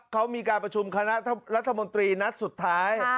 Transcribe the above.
เขามีการประชุมคณะรัฐมนตรีนัดสุดท้าย